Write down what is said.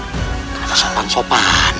kami tidak mau saya cuma mau uang